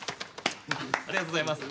ありがとうございます。